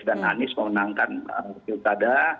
dan anis memenangkan pilkada